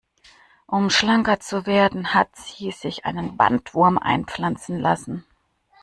Um schlanker zu werden, hat sie sich einen Bandwurm einpflanzen lassen.